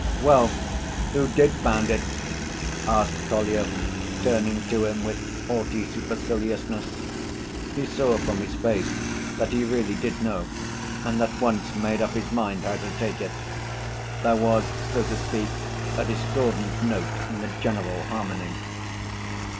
"Well, who did found it?" asked Kolya, turning to him with haughty superciliousness. He saw from his face that he really did know and at once made up his mind how to take it. There was, so to speak, a discordant note in the general harmony.